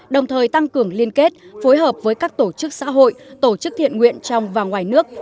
đồng thời tăng cường liên kết phối hợp với các tổ chức xã hội tổ chức thiện nguyện trong và ngoài nước